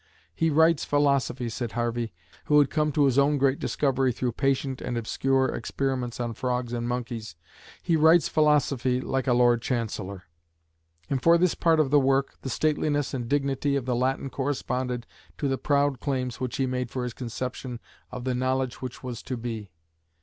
"He writes philosophy," said Harvey, who had come to his own great discovery through patient and obscure experiments on frogs and monkeys "he writes philosophy like a Lord Chancellor." And for this part of the work, the stateliness and dignity of the Latin corresponded to the proud claims which he made for his conception of the knowledge which was to be.